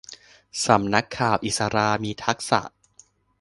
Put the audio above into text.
สำนักข่าวอิศรามีทักษะ